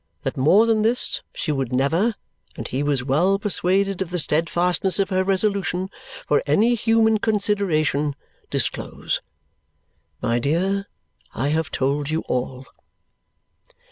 That more than this she would never (and he was well persuaded of the steadfastness of her resolution) for any human consideration disclose. My dear, I have told you all."